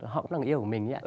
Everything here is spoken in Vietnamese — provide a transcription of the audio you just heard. họ cũng là người yêu của mình